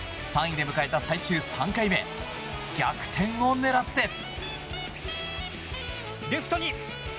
３位で迎えた最終３回目逆転を狙って。